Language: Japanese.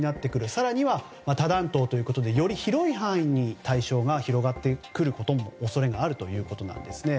更には多弾頭ということでより広い範囲に対象が広がってくる恐れもあるということです。